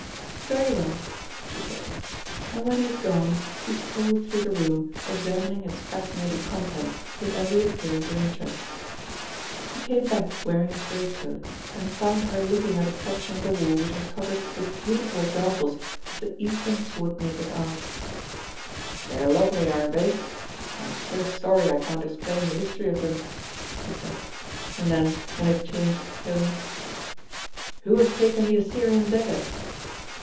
"Very well," she said, and when he had gone, she strolled through the room examining its fascinating contents with every appearance of interest. He came back wearing his greatcoat, and found her looking at a section of the wall which was covered with beautiful examples of the Eastern swordmaker's art. "They're lovely, aren't they? I'm so sorry I can't explain the history of them," he said, and then in a changed tone: "Who has taken the Assyrian dagger?"